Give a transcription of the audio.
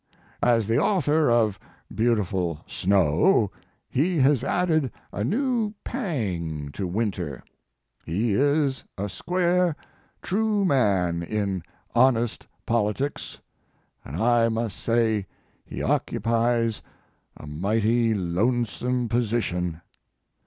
As the author of Beautiful Snow/ he has added a new pang to winter. He is a square, true man in honest politics, and I must say he occu" pies a mighty lonesome position.